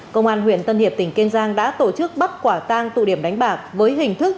công an huyện tân hiệp tỉnh kiên giang đã tổ chức bắt quả tang tụ điểm đánh bạc với hình thức